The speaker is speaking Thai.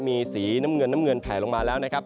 มีสีน้ำเงินแผลลงมาแล้วนะครับ